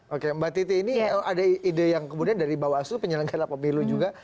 oke mbak titi ini ada ide yang kemudian dari bawaslu penyelenggara pemilu juga